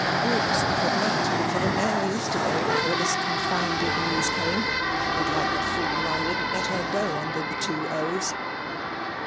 Grigg offered ninety for the mare yesterday, before this confounded news came, and like a fool I wouldn't let her go under the two o's.